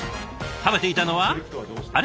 食べていたのはあれ？